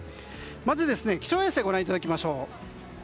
まず気象衛星をご覧いただきましょう。